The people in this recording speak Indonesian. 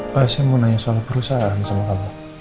pak saya mau nanya soal perusahaan sama kamu